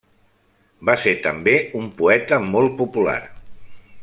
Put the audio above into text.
Va ser també un poeta molt popular.